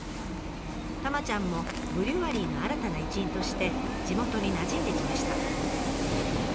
たまちゃんもブリュワリーの新たな一員として地元になじんできました。